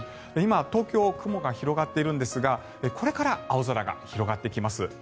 今、東京は雲が広がっているんですがこれから青空が広がってきます。